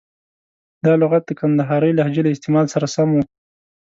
دا لغت د کندهارۍ لهجې له استعمال سره سم و.